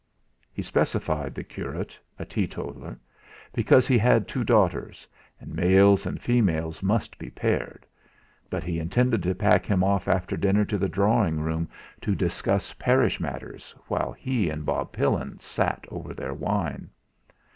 He specified the curate, a tee totaller, because he had two daughters, and males and females must be paired, but he intended to pack him off after dinner to the drawing room to discuss parish matters while he and Bob Pillin sat over their wine.